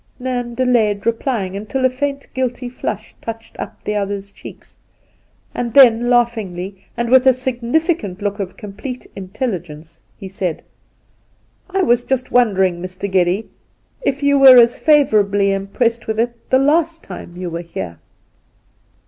Nairn delayed replying until a faint guilty flush touched up the other's cheeks, and then laughingly — and with a significant look of complete intelligence — he said :' I was just wondering, Mr. Geddy, if you were as favourably impressed with it the last time you were here